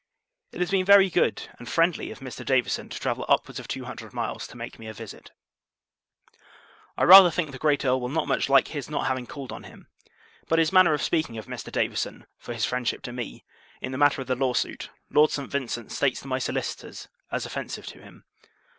It has been very good, and friendly, of Mr. Davison, to travel upwards of two hundred miles, to make me a visit. I rather think, the great Earl will not much like his not having called on him; but his manner of speaking of Mr. Davison, for his friendship to me, in the matter of the law suit, Lord St. Vincent states to my solicitors as offensive to him.